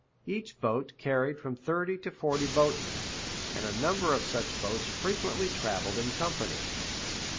Each boat carried from thirty to forty boatmen, and a number of such boats frequently traveled in company.